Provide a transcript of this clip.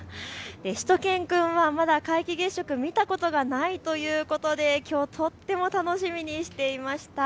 しゅと犬くんはまだ皆既月食見たことがないということできょう、とても楽しみにしていました。